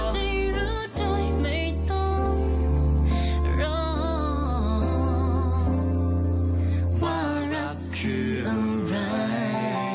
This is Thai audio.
ได้รับโดยไม่ต้องรอว่ารักคืออะไร